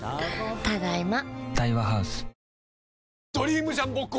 ただいま。